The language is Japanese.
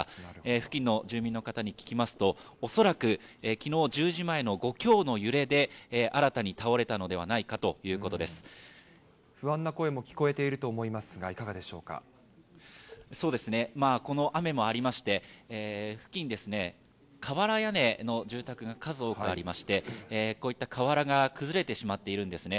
付近の住民の方に聞きますと、恐らくきのう１０時前の５強の揺れで新たに倒れたのではないかと不安な声も聞こえていると思そうですね、この雨もありまして、付近ですね、瓦屋根の住宅が数多くありまして、こういった瓦が崩れてしまっているんですね。